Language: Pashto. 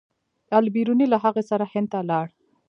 البیروني له هغه سره هند ته لاړ.